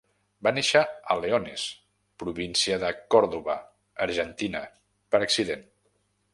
Va néixer a Leones, província de Córdoba, Argentina, per accident.